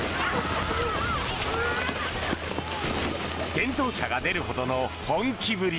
転倒者が出るほどの本気ぶり。